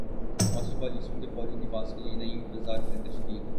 معاشی پالیسیوں کے فوری نفاذ کیلئے نئی وزارتیں تشکیل